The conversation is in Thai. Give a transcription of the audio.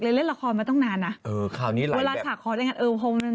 เราเคยโทรไปเตรียมกับพี่บอลแล้ว